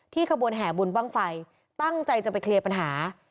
ขบวนแห่บุญบ้างไฟตั้งใจจะไปเคลียร์ปัญหา